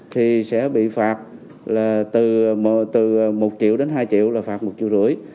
thì sẽ bị phạt là từ một triệu đến hai triệu là phạt một triệu rưỡi